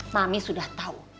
mami sudah tahu